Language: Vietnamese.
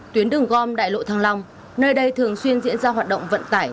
tuyến đường gom đại lộ thăng long nơi đây thường xuyên diễn ra hoạt động vận tải